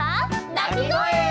なきごえ！